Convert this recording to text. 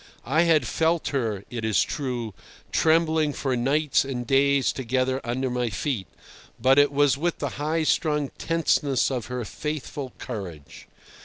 I had felt her, it is true, trembling for nights and days together under my feet, but it was with the high strung tenseness of her faithful courage.